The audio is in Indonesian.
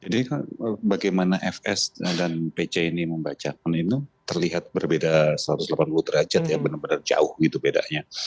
nah kalau kita lihat yang pj ini membacakan itu terlihat berbeda satu ratus delapan puluh derajat ya benar benar jauh gitu bedanya